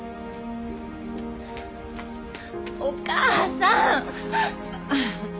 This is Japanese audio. お母さん！